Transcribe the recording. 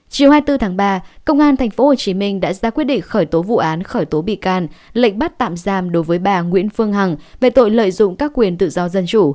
chiều hai mươi bốn tháng ba công an tp hcm đã ra quyết định khởi tố vụ án khởi tố bị can lệnh bắt tạm giam đối với bà nguyễn phương hằng về tội lợi dụng các quyền tự do dân chủ